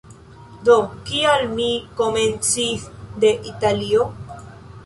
Do kial mi komencis de Italio?